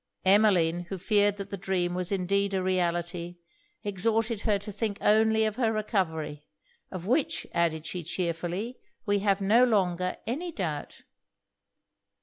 Emmeline, who feared that the dream was indeed a reality, exhorted her to think only of her recovery; of which, added she cheerfully, we have no longer any doubt.